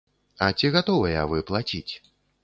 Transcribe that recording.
А ці гатовыя вы плаціць?